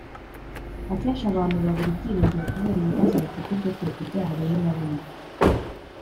Akenshi abantu babura ibyiringiro kubera ibibazo bafite byo kureka ibyaha bimwe na bimwe.